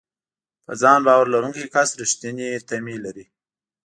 په ځان باور لرونکی کس رېښتینې تمې لري.